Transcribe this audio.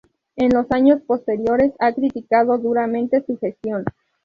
En los años posteriores ha criticado duramente su gestión.